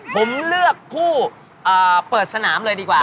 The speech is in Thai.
ผมเลือกคู่เปิดสนามเลยดีกว่า